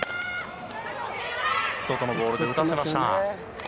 外のボールで打たせました。